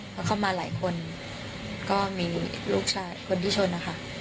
เขาเข้ามาหลายคนก็มีลูกชายคนที่ชนนะคะ